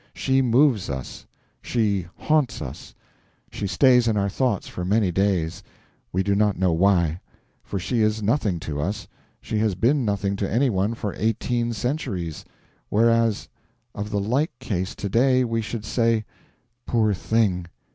She moves us, she haunts us, she stays in our thoughts for many days, we do not know why, for she is nothing to us, she has been nothing to anyone for eighteen centuries; whereas of the like case to day we should say, 'Poor thing!